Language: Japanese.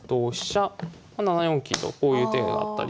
７四金とこういう手があったり。